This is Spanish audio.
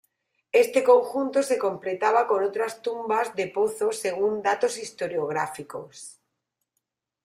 Este conjunto se completaba con otras tumbas de pozo según datos historiográficos.